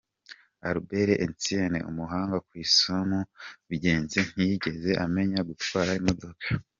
Albert Einstein umuhanga ku Isi mu bugenge ntiyigeze amenya gutwara imodoka.